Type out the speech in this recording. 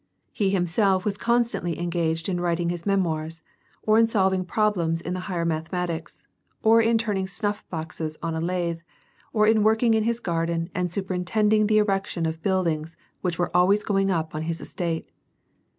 He himself was constantly engaged in writing his memoirs, or in solving problems in the higher mathematics, or in turn ing snuff boxes on a lathe, or iu working in his garden and superintending the erection of buildings which were always going up on his estate.